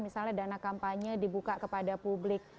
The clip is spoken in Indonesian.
misalnya dana kampanye dibuka kepada publik